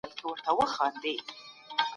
اقتصادي پرمختيا د کيفيت لوړوالي ته پام کوي.